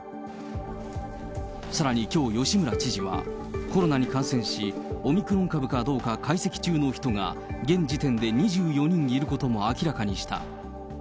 さらに、きょう、吉村知事は、コロナに感染し、オミクロン株かどうか解析中の人が現時点で２４人いることも明らかにした。